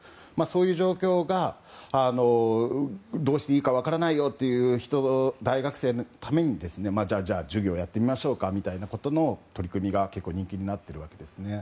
そういう状況が、どうしていいか分からないよという大学生のために授業をやってみましょうかという取り組みが結構人気になっているわけです。